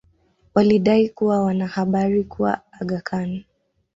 walidai kuwa wana habari kuwa Aga Khan